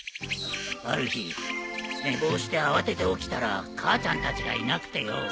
ある日寝坊して慌てて起きたら母ちゃんたちがいなくてよ。